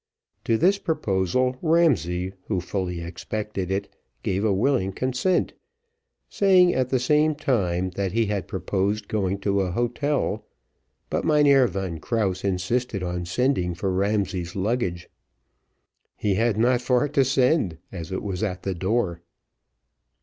To this proposal Ramsay, who fully expected it, gave a willing consent, saying, at the same time, that he had proposed going to an hotel; but Mynheer Van Krause insisted on sending for Ramsay's luggage. He had not far to send, as it was at the door.